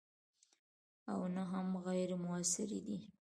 او نه هم غیر موثرې دي.